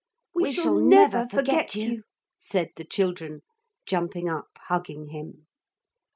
'We shall never forget you,' said the children, jumping up hugging him.